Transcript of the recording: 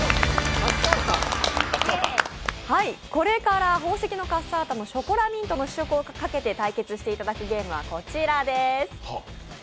これから宝石のカッサータのショコラミント試食をかけてやっていただくのはこちらになります。